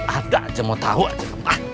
ada aja mau tau aja